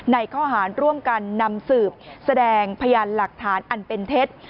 ในข้อหารร่วมกันนำสืบแสดงพยานหลักฐานอันเป็นเท็จ